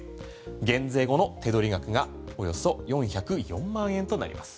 減税後の手取り額がおよそ４０４万円となります。